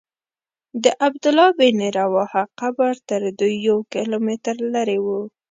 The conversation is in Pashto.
د عبدالله بن رواحه قبر تر دوی یو کیلومتر لرې و.